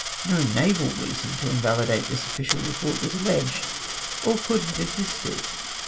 No naval reason to invahdate this official report was alleged, or could have existed.